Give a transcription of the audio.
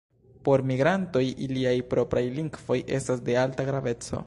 Por migrantoj iliaj propraj lingvoj estas de alta graveco.